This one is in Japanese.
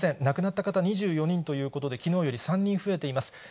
亡くなった方、２４人ということで、きのうより３人増えています。